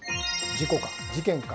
事故か事件か。